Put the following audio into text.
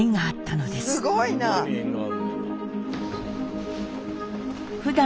すごいな。